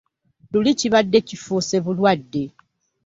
Luli kibadde kifuuse bulwadde.